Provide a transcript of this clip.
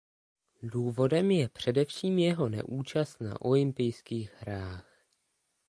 Důvodem je především jeho neúčast na olympijských hrách.